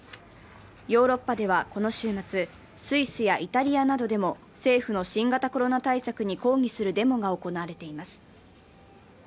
ヨーロッパでは、この週末、スイスやイタリアなどでも政府の新型コロナ対策に抗議するデモが行われています。